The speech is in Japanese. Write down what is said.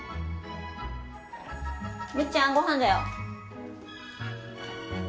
むっちゃんごはんだよ。